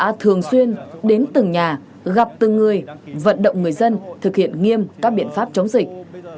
tổ covid một mươi chín đã thường xuyên đến từng nhà gặp từng người vận động người dân thực hiện nghiêm các biện pháp chống dịch